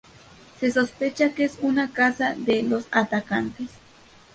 Se sospecha que es una casa de los atacantes.